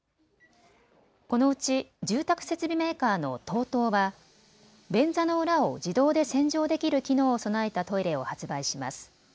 このうち、住宅設備メーカーのＴＯＴＯは便座の裏を自動で洗浄できる機能を備えたトイレを発売します。